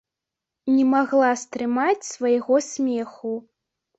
Не магла стрымаць свайго смеху.